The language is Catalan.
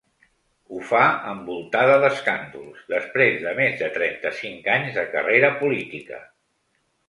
Ho fa envoltada d’escàndols després de més de trenta-cinc anys de carrera política.